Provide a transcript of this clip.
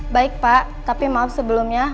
baik pak tapi maaf sebelumnya